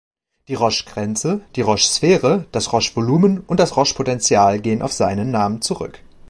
Die Roche-Grenze, die Roche-Sphäre, das Roche-Volumen und das Roche-Potential gehen auf seinen Namen zurück.